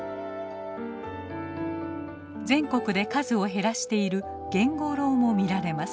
全国で数を減らしているゲンゴロウも見られます。